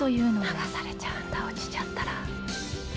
流されちゃうんだ落ちちゃったら。